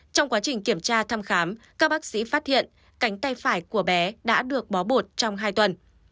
trong quá trình kiểm tra thăm khám các bác sĩ phát hiện cánh tay phải của bé đã được bó bột trong hai tuần